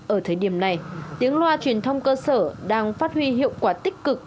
ở thời điểm này tiếng loa truyền thông cơ sở đang phát huy hiệu quả tích cực